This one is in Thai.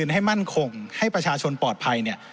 ให้มั่นคงให้ประชาชนปลอดภัยเนี่ย